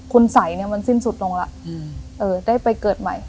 คุณสัยเนี่ยมันสิ้นสุดลงแล้วได้ไปเกิดใหม่